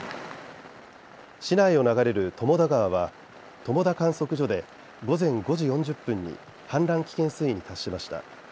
市内を流れる友田川は友田観測所で午前５０時４０分に氾濫危険水位に達しました。